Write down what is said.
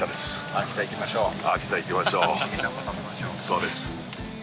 そうです。